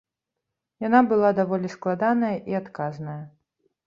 Яна была даволі складаная і адказная.